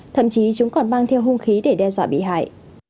thậm chí chúng còn mang theo hung khí để đe dọa bị hại